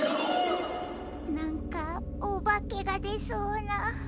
なんかおばけがでそうな。